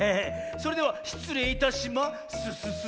それではしつれいいたしまスススススススッ。